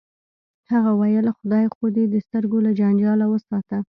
هغه ویل خدای خو دې د سترګو له جنجاله وساته